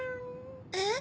えっ？